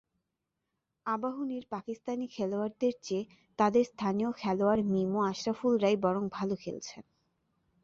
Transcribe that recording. আবাহনীর পাকিস্তানি খেলোয়াড়দের চেয়ে তাদের স্থানীয় খেলোয়াড় মিমো, আশরাফুলরাই বরং ভালো খেলেছেন।